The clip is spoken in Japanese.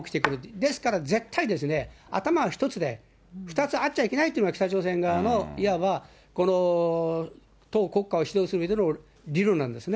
ですから、絶対ですね、頭一つで、２つあっちゃいけないというのが、北朝鮮側のいわば、党国家を指導するうえでの理論なんですね。